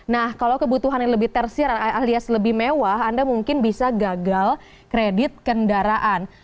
nah kalau kebutuhan yang lebih tersir alias lebih mewah anda mungkin bisa gagal kredit kendaraan